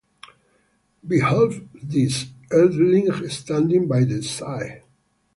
Behold this earthling standing by my side!